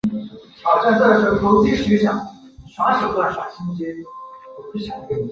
他们还与尼泊尔联合共产党否认此种说法。